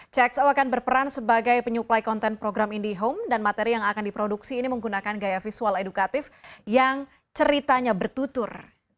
cxo akan berperan sebagai penyuplai konten program indihome dan materi yang akan diproduksi ini menggunakan gaya visual edukatif yang ceritanya bertutur